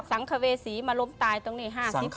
สังเวษีมาล้มตายตรงนี้๕๐